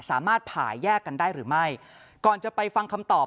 สามารถผ่าแยกกันได้หรือไม่ก่อนจะไปฟังคำตอบ